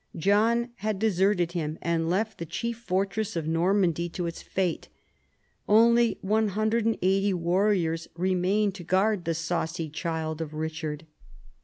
John had deserted him, and left the chief fortress of Normandy to its fate. Only 180 warriors remained to guard the " saucy child " of Richard.